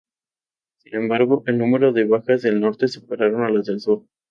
Sin embargo, el número de bajas del Norte superaron a las del Sur.